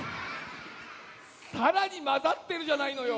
さらにまざってるじゃないのよ。